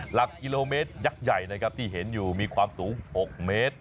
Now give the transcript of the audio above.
หลักกิโลเมตรยักษ์ใหญ่นะครับที่เห็นอยู่มีความสูง๖เมตร